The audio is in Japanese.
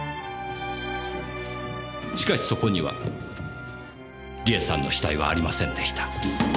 しかしそこには梨絵さんの死体はありませんでした。